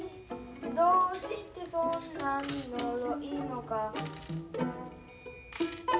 「どうしてそんなにのろいのか」